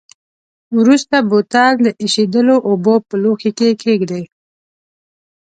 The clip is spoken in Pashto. وروسته بوتل د ایشېدلو اوبو په لوښي کې کیږدئ.